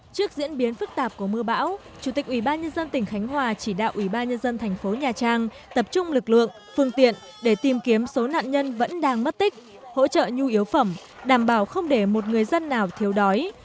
trước diễn biến phức tạp của mưa bão chủ tịch ubnd tỉnh khánh hòa chỉ đạo ubnd thành phố nhà trang tập trung lực lượng phương tiện để tìm kiếm số nạn nhân vẫn đang mất tích hỗ trợ nhu yếu phẩm đảm bảo không để một người dân nào thiếu đói